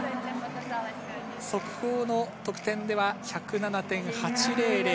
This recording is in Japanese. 速報の得点では１０７．８００。